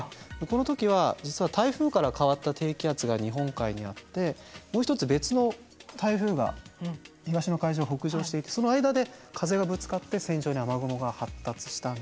この時は実は台風から変わった低気圧が日本海にあってもう一つ別の台風が東の海上を北上していてその間で風がぶつかって線状に雨雲が発達したんですよね。